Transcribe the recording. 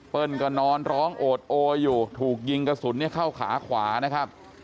ก็นอนร้องโอดโออยู่ถูกยิงกระสุนเข้าขาขวานะครับ